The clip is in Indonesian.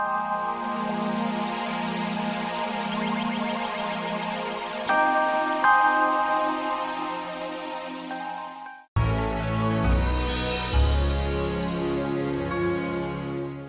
terima kasih mas